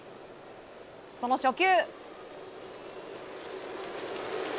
その初球。